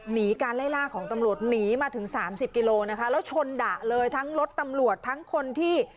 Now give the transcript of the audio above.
หนีการไล่ล่าของตำรวจหนีมาถึงสามสิบกิโลนะคะแล้วชนดะเลยทั้งรถตำรวจทั้งคนที่